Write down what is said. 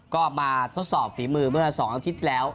ก็มาทดสอบฝีมือเมื่อ๒อาทิตย์ที่แล้ว